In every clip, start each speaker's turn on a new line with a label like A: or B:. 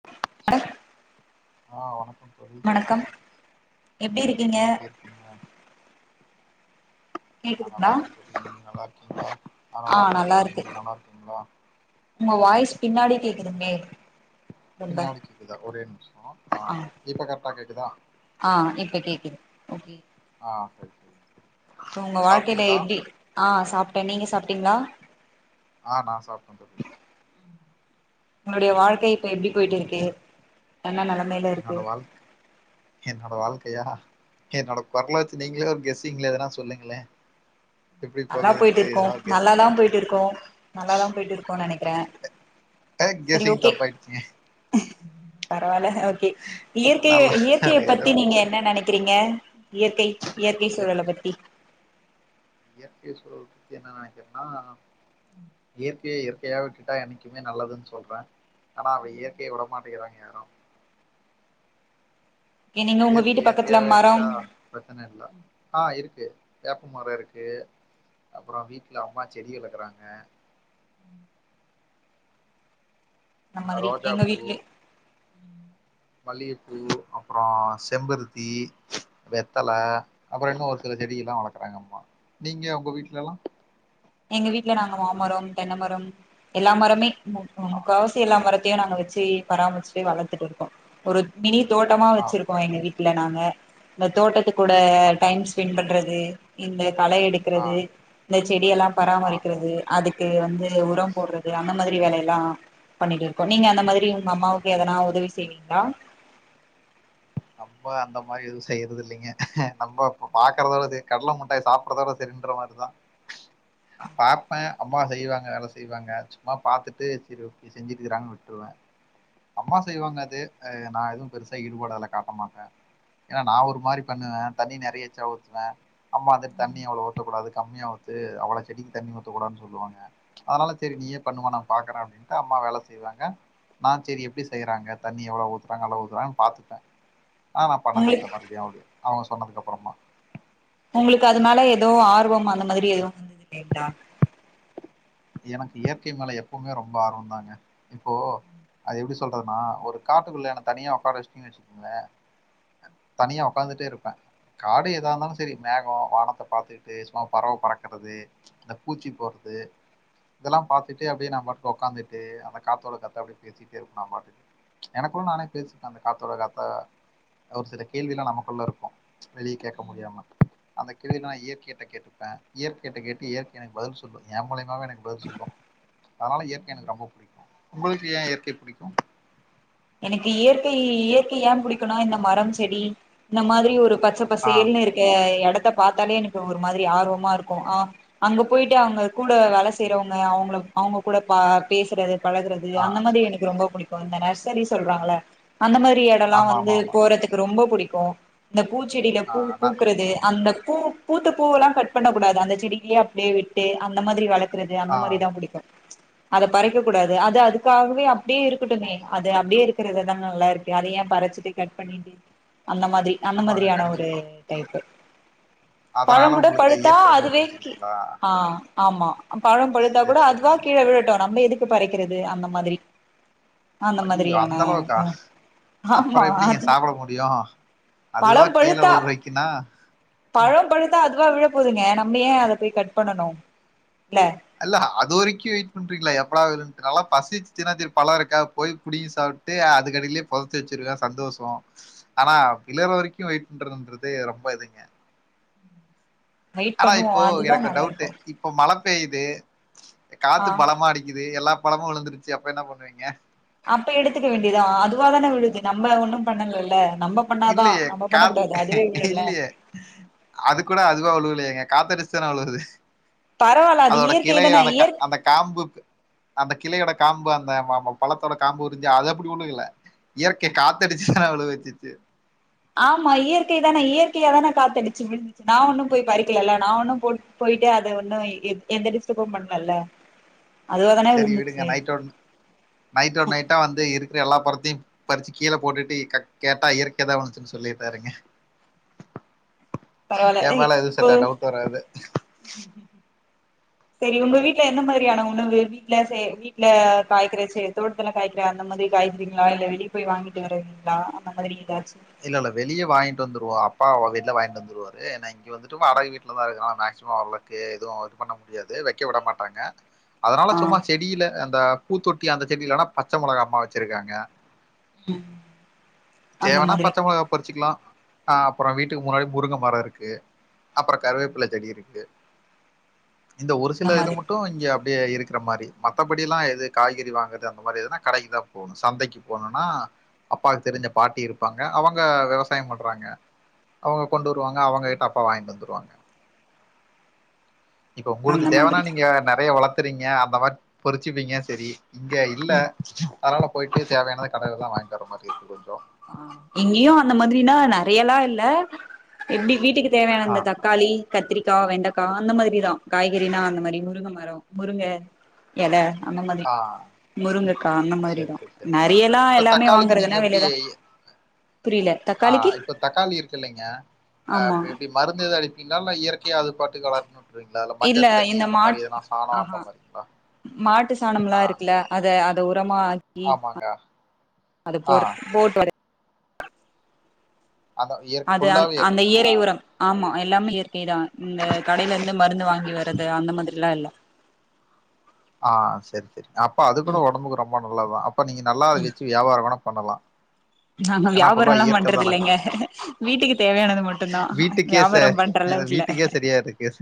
A: [unintelligible]
B: ஆ வணக்கம் தோழி
A: வணக்கம் எப்டி இருக்கீங்க
B: வணக்கம் எப்டி இருக்கீங்க ஆ
A: கேக்குதுங்களா
B: நல்லா இருக்க தோழி நீங்க நல்லா இருக்கீங்கலா ஆஹா
A: ஆ
B: நல்லா இருக்க தோழி
A: இருக்கு
B: நீங்க நல்லா இருக்கீங்களா
A: உங்க வாய்ஸ் பின்னாடி கேக்குதுங்மே
B: பின்னாடி கேக்குதா ஒரே நிமிஷோ ஆ இப்ப கரெக்டா கேக்குதா
A: ஆ இப்ப கேக்குது ஓகே
B: ஆ சரி சரி
A: உங்க வாழ்கேயில
B: சாப்ட்டீங்களா
A: எப்டி ஆ சாப்ட நீங்க சாப்டீங்ளா
B: ஆ நா சாப்ட தோழி
A: உங்களுடைய வாழ்க்கை இப்ப எப்டி போயிட்டு இருக்கு என்ன நெலமேல்
B: என்னொட வாழ்க் என்னொட வாழ்க்கையா என்னொட கொரல வச்சி நீங்களே ஒரு கெஸ்ஸுங்ள எதனா சொல்லுங்கள
A: நல்லா போயிட்டு இருக்கோ
B: ஒரு கெஸ்ஸிங்
A: நல்லாதா போயிட்டு இருக்கோ நல்லாதா போயிட்டு இருக்கோனு நெனக்கிற
B: அ கெசிங் தப்பாயிடுச்சிங்க
A: பரவாயில்ல ஓகே இயற்கைய
B: நல்லா
A: இயற்கைய
B: ஏதோ
A: பத்தி நீங்க
B: போது
A: என்ன நெனைக்கிறீங்க இயற்கை இயற்கை
B: இயற்
A: சூழலபத்தி
B: இயற்கை சூழல பத்தி என்ன நெனக்கிறன்னா இயற்கைய இயற்கையா விட்டுட்டா எனக்கு இன்னு நல்லதுன்னு சொல்ற ஆனா இயற்கைய உடமாட்டிங்கிறாங்க யாரு
A: என்ன உங்க
B: இயற்கை
A: வீட் பக்கத்ல
B: இயற்கையாவே
A: மரம்
B: இருந்துட்டா பிரச்சன இல்ல ஆ இருக்கு வேப்ப மரோ இருக்கு அப்புற வீட்ல அம்மா செடி அளக்குறாங்க
A: அந்த
B: ஆ
A: மாதிரி
B: ரோஜா
A: எங்க
B: பூ
A: வீட்ல
B: மல்லிக பூ அப்ரோ செம்பருத்தி வெத்தல அப்ரோ இன்னு ஒரு சில செடியில்லா வளக்குறாங்க அம்மா நீங்க ஒங்க வீட்ல எல்லா
A: எங்க வீட்ல நாங்க மாமரம் தென்னமரம் எல்லா மரமே முக்
B: ஆ
A: முக்கவாசி எல்லா மரத்தையு நாங்க வச்சி பராமரிச்சிட்டு வளர்த்துட்டு இருக்கோ ஒரு மினி தோட்டமா
B: ஆ
A: வச்சிருக்கோ எங்க வீட்ல நாங்க இந்த தோட்டத்துக் கூட
B: ஆ
A: டைம் ஸ்பெண்ட் பண்றது இந்த களை
B: ஆ
A: எடுக்கிறது இந்த செடி எல்லா
B: ஆ ஆ
A: பராமரிக்கிறது அதுக்கு வந்து உரம் போடுறது அந்த மாறி வேலை எல்லா பண்ணிட்டு இருக்கோ நீங்க அந்த மாறி உங்க அம்மாவுக்கு எதனா உதவி செய்வீங்களா
B: நம்ம அந்த மாறி எது செய்யறது இல்லங்க நம்ம இப்ப பாக்குறதோட கடல முட்டாய் சாப் [unintelligible] சிலிண்டர் மாரிதா பாப்பே அம்மா செய்வாங்க வேல செய்வாங்க சும்மா பாத்துட்டு சேரி எப்டி செஞ்சுட்டுகிறாங்குனு வுட்ருவே அம்மா செய்வாங்க அது ஆ நா எதுவு பெருசா ஈடுபாடு அதுல காட்டமாட்ட ஏனா நா ஒரு மாறி பண்ணுவே தண்ணி நெறைய எச்சா ஊத்துவே அம்மா வந்து தண்ணிய அவ்ளோ ஊத்தக்கூடாது கம்மியா ஊத்து அவ்வளோ செடிக் தண்ணி ஊத்தக்கூடாதுனு சொல்லுவாங்க அதனால சேரி நீயே பண்ணுமா நா பாக்குறே அப்டின்ட்டு அம்மா வேல செய்வாங்க நா சேரி எப்டி செய்றாங்க தண்ணி எவ்ளோ ஊத்துறாங்க அளவு ஊத்துறாங்கனு பாத்துப்பே ஆ நா பண்ணது இல்ல
A: உங்களுக்கு
B: மறுவடியு யாவது அவுங்க சொன்னதுக்கு அப்பறமா
A: உங்களுக்கு அது மேல ஏதோ ஆர்வம் அந்த மாதிரி எதுவு வந்தது இல்லீங்கிளா
B: எனக்கு இயற்கை மேல எப்போமே ரொம்ப ஆர்வம் தாங்க இப்போ அது எப்டி சொல்றதுனா ஒரு காட்டுக்குள்ள என்ன தனியா ஒக்காார வச்சிட்டீங்னு வச்சுக்கங்களே தனியா உக்காந்துட்டே இருப்பே காடு எதா இந்தாலு சேரி மேகம் வானத்த பாத்துக்கிட்டு சும்மா பறவ பறக்கறது அந்த பூச்சி போறது இதெல்லா பாத்துட்டே அப்டியே நா பாட்டுல ஒக்காந்துட்டு அந்த காத்தோட காத்தா அப்டே பேசிட்டே இருப்பே நா பாட்டுக்கு எனக்குள்ள நானே பேசிப்பே அந்த காத்தோட காத்தா ஒரு சில கேள்வில்லா நமக்குள்ள இருக்கு வெளிய கேக்க
A: ம்
B: முடியாம அந்த கேள்வி நா இயற்கைட கேட்டுப்ப இயற்கைட கேட்டு இயற்கை எனக்கு பதில் சொல்லூ ஏ மூலியமாவே எனக்கு பதில் சொல்லு அதனால இயற்கை எனக்கு ரொம்ப புடிக்கு உங்களுக்கு ஏ இயற்கைய புடிக்கு
A: எனக்கு இயற்கை இயற்கை ஏ புடிக்குனா இந்த மரம் செடி இந்த மாதிரி ஒரு பச்ச
B: ஆ,
A: பசேல்னு இருக்க எடத்த பாத்தாலே எனக்கு ஒரு மாதிரி ஆர்வமா இருக்கு ஆ அங்க போயிட்டு அவுங்க கூட வேல செய்றவங்க அவுங்கள அவுங்க கூட ப பேசுறது பழகுறது
B: ஆ,
A: அந்த மாறி எனக்கு ரொம்ப புடிக்கு இந்த நர்சரி சொல்றாங்கள அந்த மாறி எட ல்லா வந்து
B: ஆமாமாமா.
A: போறதுக்கு ரொம்ப புடிக்கு இந்த பூச்செடில
B: ஆ,
A: பூ
B: நான்
A: பூக்கறது அந்த பூ பூத்த பூவுல்லா கட் பண்ணக் கூடாது அந்த செடிக்கிலயே அப்புடியே விட்டு அந்த மாதிரி வள க்கறது அந்த
B: ஆ,
A: மாறிதா புடிக்கு அத பறிக்க கூடாது அது அதுக்காகவே அப்டியே இருக்கட்டுமே அது அப்டியே இருக்கிறதுதா நல்லா இருக்கு அத ஏ பறிச்சிட்டு கட் பண்ணிட்டு அந்த மாதிரி அந்த
B: ஆமாங்க.
A: மாதிரியான ஒரு
B: கண்டிப்பா.
A: டைப்பு பழோ
B: அதனால
A: கூட
B: உங்களுக்கு
A: பழுத்தா
B: இயற்கை ரொம்ப
A: அதுவே கீ
B: புடிச்சிருக்குங்களா?
A: ஆ ஆமா பழோ பழுத்தா
B: சரி,
A: கூட அதுவா
B: சரிங்க.
A: கீழ விழட்டு நம்ப எதுக்கு பறிக்கிறது அந்த மாதிரி அந்த
B: ஐய்யயோ
A: மாதிரியான
B: அந்த அளவுக்கா அப்பறோ
A: ஆமா
B: எப்டிங்க
A: அது
B: சாப்பிட முடியு அதுவா கீழே உழுற வரைக்குனா
A: பழோ பழுத்தா அதுவா விழ போதுங்க நம்ம ஏ அத போய் கட் பண்ணணு இல்ல
B: அல்ல அது வரைக்கு வெயிட் பண்றீங்களா எப்படா வேணும்ட்டு நல்லா பசிச்சிசுனா தின்ன பழோ இருக்கா போயி புடிங்கி சாப் ட்டு அதுக்கடிலியே பொதச்சு வச்சிருவே சந்தோஷோ ஆனா விழற வரைக்கு வெயிட் பண்றதுன்றது ரொம்ப இதுங்க
A: வெயிட்
B: ஆனா
A: பண்ணுவோ
B: இப்போ
A: அதுதா
B: எனக்கு ஒரு
A: நல்லா
B: டவுட்
A: இருக்கு
B: இப்ப மழ பெய்யுது காத்து
A: ஆ
B: பழமா அடிக்குது எல்லா பழமு விழுந்துருச்சு அப்ப என்ன பண்ணுவீங்க
A: அப்ப எடுத்துக்க வேண்டிதா அதுவா தான விழுது நம்ம ஒண்ணு பண்ணலல்ல நம்ப
B: இல்லையே காத் இல்லையே அது கூட அதுவா உழுவுலயேங்க காத்தடிச்சு தானே உழுவுது
A: பரவால்ல அது
B: அதோட
A: இயற்கை தான
B: கிளையத
A: இயற்
B: அந்தக் காம்பு அந்த கிளையோட காம்பு அந்த பழத்தோட காம்பு உரிஞ்சு அது அப்டி உழுகல இயற்கை காத்த அடிச்சுதான விழ வச்சிச்சு
A: ஆமா இயற்கை தானே இயற்கையா தானே காத்தடிச்சு விழுந் நா ஒன்னு போயி பறிக்கிலல்ல நா ஒண்ணு போ போயிட்டு அத ஒன்னு எந்த டிஸ்டபு பண்லல்ல அதுவா தானே
B: சரி விடுங்க
A: விழுந்துச்சு
B: நைட்டோட நைட்டோட நைட்டா வந்து இருக்கற எல்லா படத்தையும் பறிச்சி கீழ போட்டுட்டு க கேட்டா இயற்கைதா வந்துச்சுனு சொல்லிட்டாருங்க
A: பரவால்ல
B: என் மேல எதுவும் சட்ட டவுட் வராது
A: செரி உங்க வீட்ல எந்த மாரியான உணவு வீட்ல செ வீட்ல காய்கறச்சே தோட்டத்துல காய்கற அந்த மாரி காய்கறீங்ளா இல்ல வெளிய போய் வாங்கிட்டு வருவீங்ளா அந்த மாரி எதாச்சு
B: இல்ல இல்ல வெளிய வாங்கிட்டு வந்துருவோ அப்பா வீட்ல வாங்கிட்டு வந்துருவாரு நா இங்க வந்துட்டு வாடக வீட்லதா இருக்கோ மே சும்மா அவளுக்கு எதுவு ஒர்க் பண்ண முடியாது வெக்க விட மாட்டாங்க அதனால
A: ஆ
B: சும்மா செடில அந்த பூத்தொட்டி அந்த செடில வேணா பச்ச மொளகா அம்மா வெச்சிருக்காங்க
A: ம் அந்த மாதிரி
B: க பறிச்சுக்கலா அ அப்றோ வீட்டுக்கு முன்னாடி முருங்க மரோ இருக்கு அப்றோ கருவேப்ல செடி இருக்கு இந்த ஒரு
A: அந்த
B: சில இது
A: மாதிரி
B: மட்டு இங்க அப்டியே இருக்கற மாரி மத்தபடி எல்லா எது காய்கறி வாங்கறது அந்த மாரி எதுனா கடைக்குதான் போனு சந்தைக்கு போனுனா அப்பாவுக்கு தெரிஞ்ச பாட்டி இரு ப்பாங்க அவுங்க விவசாயம் பண்றாங்க அவுங்க கொண்டு வருவாங்க அவுங்க கிட்ட அப்பா வாங்கிட்டு வந்துருவாங்க இப்ப உங்களுக்கு
A: அந்த
B: தேவனா
A: மாதிரி
B: நீங்க நெறையா வளத்துறீங்க அந்த மாரி பொறிச்சுப்பீங்க சரி இங்க இல்ல
A: ம்
B: அதனால போயிட்டு தேவையானது கடைலதான் வாங்கிட்டு வர்ற மாரி இருக்கு கொஞ்சோ
A: இங்கயும் அந்த மாதிரினா நெறையா எல்லா இல்ல எப்டி வீட்டுக்கு தேவையான
B: ஆ
A: இந்த த க்காளி, கத்திரிக்கா, வெண்டக்கா அந்த மாரிதா காய்கறினா அந்த மாரி முருங்க மரோ முருங்க எல அந்த மாரி
B: ஆ
A: முருங்கக்கா அந்த
B: சரி
A: மாரிதா
B: சரி சரிங்க
A: நெறையால்லா
B: இப்ப
A: எல்லாமே
B: தக்காளிக்கு நீங்க
A: வாங்கறதுனா வெளிதா
B: எப்டி
A: புரில
B: ஆ இப்ப தக்காளி இருக்கு இல்லைங்க
A: ஆமா
B: அ்ப்ப எப்டி மருந்தெது அடிப்பீங்ளா இல்ல இயற்கையா அது பாட்டுக்கு வளருமா
A: இல்ல இந்த மா
B: அந்த
A: ஆஹா
B: மாரிங்களா?
A: மாட்டு சாணமல்லா
B: ஆ
A: இருக்கல்ல அத அத உரமா ஆக்கி
B: ஆமாங்க.
A: அத போ
B: ஆ
A: போர்ட் வரை
B: அந்த இயற்
A: அது அ
B: ஃபுல்லாவே
A: அந்த
B: இயற்கைங்களா?
A: இயரை உரம் ஆமா எல்லாமே இயற்கைதா இந்த கடைல இருந்து மருந்து வாங்கி வர்றது அந்த மாதிரியெல்லா இல்ல
B: ஆ சரி சரி அப்போ அது கூட ஒடம்புக்கு ரொம்ப நல்லதுதா அப்போ நீங்க நல்லா வெச்சு வியாபாரோ வேனா பண்ணலா
A: நாங்க வியாபாரோ எல்லா பண்றது
B: தான.
A: இல்லைங்க வீட்டுக்கு தேவையானது மட்டுந்தான் வியாபாரோ பண்ற அளவுக்கு இல்ல
B: தெரியாது கேஸ்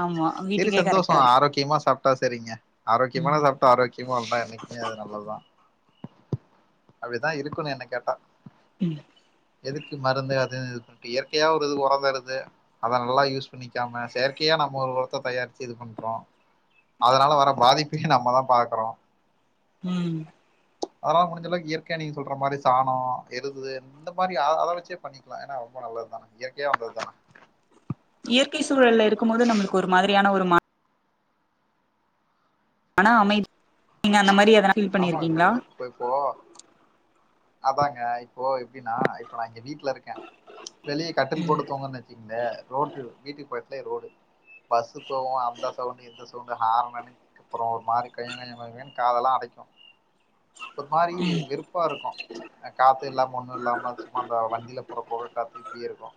A: ஆமா
B: சரி
A: வீட்டுக்கே
B: சந்தோஷோ
A: கரெக்டா இருக்கு
B: ஆரோக்கியமா சாப்ட்டா சேரிங்க ஆரோக்கியமான சா ப்ட்டு ஆரோக்கியமா இருந்தா என்னைக்குமே அது நல்லதுதா அப்டிதா இருக்குனு என்னக் கேட்டா
A: ம்
B: எதுக்கு மருந்து அது இது இயற்கையா ஒரு இது உரந் தருது அத நல்லா யூஸ் பண்ணிக்காம செயற்கையா நம்ம ஒரு உரத்த தயாரிச்சு இது பண்றோ அதனால வர பாதிப்பையு நம்மதா பாக்குறோ
A: ம்
B: அதனால முடிஞ்சளவுக்கு இயற்கையா நீங்க சொல்ற மாரி சாணோ எருது இந்த மாரி அ அத வெச்சே பண்ணிக்கலா ஏனா ரொம்ப நல்லதுதா இயற்கையா வந்ததுதா
A: இயற்கை சூழல்ல இருக்கும்போது நம்மளுக்கு ஒரு மாதிரியான ஒரு மா ஆனா அமைதி நீங்க அந்த மாரி எதனா ஃபீல்
B: ஆமாங்க
A: பண்ணிருக்கீங்களா
B: இ ப்போ இப்போ அதாங்க இப்போ எப்டினா இப்போ நா இங்க வீட்ல இருக்க வெளிய கட்டல் போட்டு தூங்கன்னு வெச்சுங்ளே ரோட்டு வீட்டு பக்கத்லயே ரோடு பஸ்ஸு போவு அந்த சவுண்டு இந்த சவுண்டு ஹாரனனு அப்றோ ஒரு மாரி கொயங் கொயங் கொயங் கொயங்ன் காதெல்லா அடைக் ஒரு மாரி வெறு ப்பாருக்கு அ காத்து இல்லாம ஒண்ணு இல்லாம சும்மா அந்த வண்டில போற பொகக் காத்து இப்டியே இருக்கு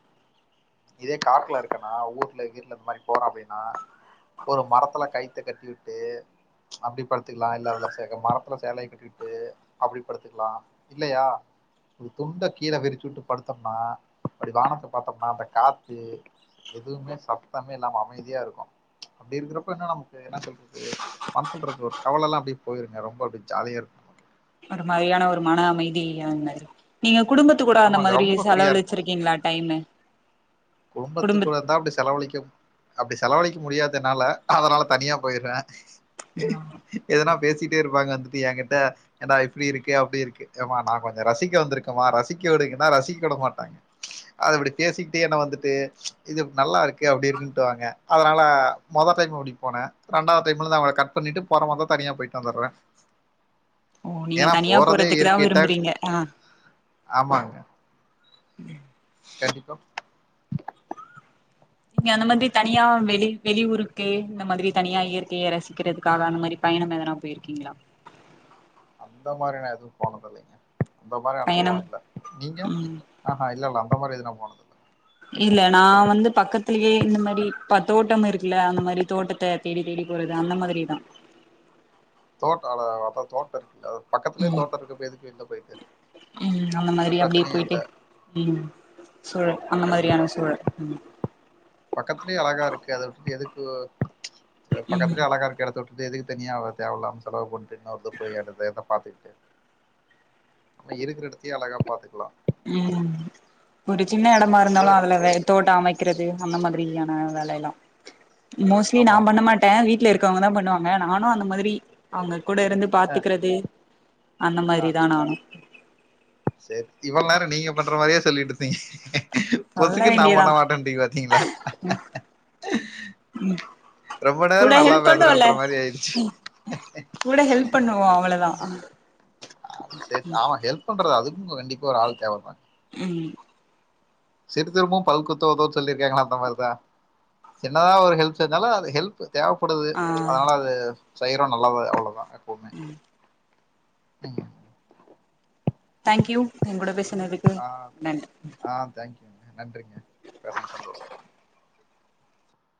B: இதே காட்ல இருக்கன்னா ஊர்ல கீர்ல இந்த மாரி போறோ அப்டின்னா ஒரு மரத்துல கயித்த கட்டி விட்டு அப்டி படுத்துக்லா இல்ல அதுல சா எங்க மரத்துல சேலய கட்டிவுட்டு அப்டி படுத்துக்லா இல்லயா ஒரு துண்ட கீழ விரிச்சு வுட்டு படுத்தம்னா அப்டி வானத்த பாத்தம்னா அந்த காத்து எதுவுமே சத்தமே இல்லாம அமைதியாருக்கு அப்டி இருக்றப்ப என்ன நமக்கு என்ன சொல்றது மனசுல இருக்ற ஒரு கவலல்லா அப்டி போயிருங்க ரொம்ப அப்டி ஜாலியாருக்கு
A: ஒரு மய்யான ஒரு மன அமைதி அந்த மாரி நீங்க குடும்பத் துக் கூட அந்த
B: ஆமாங்க
A: மாரி
B: ரொம்ப ஃப்ரீயா
A: செலவழிச்சிருக்கீங்ளா டைமு குடும்ப
B: குடும்பத்துக்கூட இருந்தா அப்டி செலவழிக்க அப்டி செலவழிக்க முடியாது என்னால அதனால தனியா போயிறே எதனா பேசிட்டே இருப்பாங்க வந்துட்டு எ கிட்ட ஏன்டா இப்டி இருக்கு அப்டி இருக்கு ஏமா நா கொஞ்சொ ரசிக்க வந்திருக்கமா ரசிக்க விடுங்கன்னா ரசிக்க வுடமாட்டாங்க அது இப்டி பேசிக்கிட்டே என்ன வந்து ட்டு இது நல்லாருக்கு அப்டி இருக்குன்ட்டுவாங்க அதனால மொத டைம் அப்டி போனே ரெண்டாவ்து டைம்லேந்து நா அவங்கள கட் பண்ணிட்டு போற மார்ருந்தா தனியா போய்ட்டு வந்துறே
A: ஓ நீங்க தனியா போறதுக்கு தா
B: இயற்கைட்ட
A: விரும்புறீங்க ஆ
B: ஆமாங்க
A: ம்
B: கண்டிப்பா
A: நீங்க அந்த மாதி தனியா வெளி வெளியூருக்கு இந்த மாதிரி தனியா இயற்கைய ரசிக்கிறதுக்காக அந்த மாரி பயணம் எதனா போய்ருக்கீங்ளா
B: அந்த மாரி நா எதுவு போனதில்லைங்க அந்த மாரி அனுபவோ
A: பயணம்
B: இல்ல நீங்க
A: ம்
B: ஆ ஹா இல்லெல்ல அந்த மாரி எது நா போனதில்ல
A: இல்ல நா வந்து பக்கத்துலயே இந்த மாரி ப தோட்டம் இருக்குல அந்த மாரி தோட்டத்த தேடித் தேடிப் போறது அந்த மாதிரிதா
B: தோட்டோ அழகானது அதா தோட்டோ இருக்குல்ல பக்கத்துலே
A: ம்
B: தோட்டோருக்கப்ப எதுக்கு வெள்ல போய்ட்டு
A: ம் அந்த மாரி அப்டியே போய்ட்டு ம் சூழல் அந்த மாதிரியான சூழல் ம்
B: பக்கத்லே அழகாருக்கு அத விட்டுட்டு எதுக்கு ஆ
A: ம்
B: பக்கத்துலே அழகாருக்க எடத்த விட்டு அது எதுக்கு தனியா அவ்ளோ தேவல்லாம செலவு பண்ட்டு இன்னொரு இத போய் எடத்த எதா பாத்துக்கிட்டு நம்ம இருக்ற எடத்தயே அழகா பாத்துக்கலா
A: ம் ம் ஒரு சின்ன எடமா இருந்தாலு
B: அப்டிதா
A: அதுல
B: இருக்கணு
A: வே தோட்டோ அமைக்றது அந்த மாதிரியான வேலயெல்லா மோஸ்ட்லி நா
B: ஆமா ஆமா
A: பண்ண மா
B: ஆமா
A: ட்டே வீட்ல இருக்கோங்கதா பண்ணுவாங்க நானு அந்த மாதிரி அவுங்கக் கூட இருந்து பாத்துக்கறது அந்த மாதிரி தா நானு
B: சேர் இவ்ளோ நேரோ நீங்க பண்ற மாரியே சொல்லிட்டு இருந்தீங்க
A: சொல்ல
B: பொசுக்குன் நா
A: வேண்டியதா
B: பண்ண மாட்டேன்ட்டிங்க பாத்தீங்ளா ரொம்ப நேரோ
A: கூட
B: நல்லா
A: ஹெல்ப் பண்ணுவோல்ல
B: பேசுறேன்ற மாரி ஆய்டுச்சு
A: கூட ஹெல்ப் பண்ணுவோ அவ்ளோதா
B: ஆ சேர் ஆமா ஹெல்ப் பண்றது அதுக்கு கண்டிப்பா ஒரு ஆள் தேவதாங்க
A: ம்
B: சிறு திரும்பும் பல் குத்தவதோன் சொல்லிருக்காங்களா அந்த மார்தா சின்னதா ஒரு ஹெல்ப் செஞ்சாலு அது ஹெல்ப் ட்டு தேவப்படுது
A: ஆ
B: அதனால அத செய்யறோ நல்லது அவ்ளதா.
A: ம்.
B: ம்.
A: தேங்க்யூ எங் கூட பேசினதுக்கு
B: ஆ
A: நன்றி ம்.
B: ஆ தேங்க்யூ. கேங்க நன்றிங்க ரொம் சந்தோஷோ.